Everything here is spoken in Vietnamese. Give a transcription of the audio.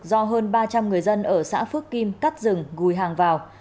do hơn ba trăm linh người dân ở xã phước kim cắt rừng gùi hàng vào